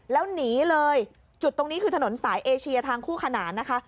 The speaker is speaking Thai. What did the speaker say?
แล้วหนีเลยจุดตรงนี้คือถนนสายเอเชียทางคู่ขนานนะคะ